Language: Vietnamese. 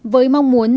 với mong muốn